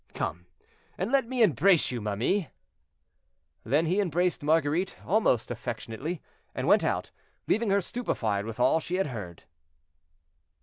Come, and let me embrace you, ma mie." Then he embraced Marguerite, almost affectionately, and went out, leaving her stupefied with all she had heard.